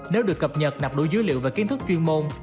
nếu được cập nhật nạp đủ dữ liệu và kiến thức chuyên môn